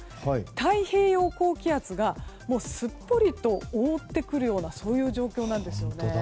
太平洋高気圧がすっぽりと覆ってくるようなそういう状況なんです。